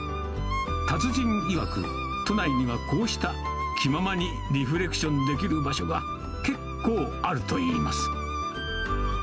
達人いわく、都内にはこうした、気ままにリフレクションできる場所が結構あるといいます。